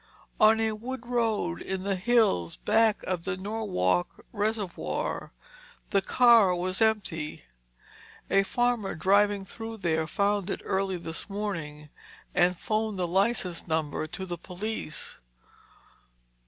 "On a wood road in the hills back of the Norwalk reservoir. The car was empty. A farmer driving through there found it early this morning and phoned the license number to the police."